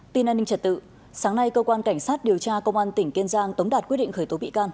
tin an ninh trật tự sáng nay cơ quan cảnh sát điều tra công an tỉnh kiên giang tống đạt quyết định khởi tố bị can